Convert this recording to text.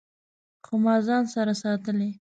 خو ما ځان سره ساتلي